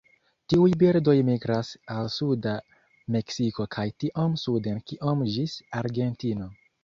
Tiuj birdoj migras al suda Meksiko kaj tiom suden kiom ĝis Argentino.